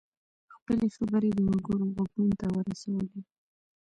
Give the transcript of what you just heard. خپلې خبرې د وګړو غوږونو ته ورسولې.